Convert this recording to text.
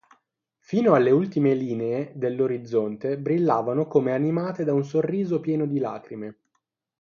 Fino alle ultime linee dell'orizzonte, brillavano come animate da un sorriso pieno di lacrime.